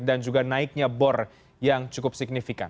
dan juga naiknya bor yang cukup signifikan